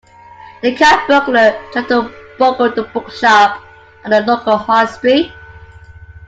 The cat burglar tried to burgle the bookshop on the local High Street